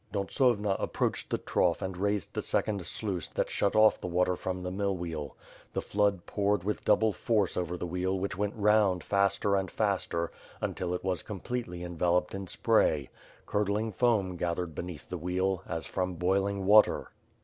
Dontsovna approached the trough and raised the second sluice that shut off the water from the mill wheel. The flood poured with double force over the wheel which went round faster and faster, until it was completely enveloped in spray. Curdling foam gathered beneath the wheel, as from boiling water.